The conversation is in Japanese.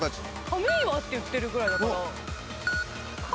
亀岩って言ってるぐらいだから。